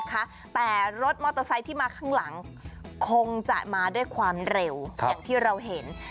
แต่รถมอเตอร์ไซค์ที่มาข้างหลังคงจะมาด้วยความเร็วอย่างที่เราเห็น